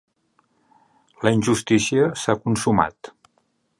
La injustícia s'ha consumat.